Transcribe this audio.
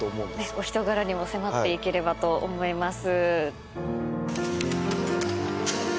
お人柄にも迫っていければと思います。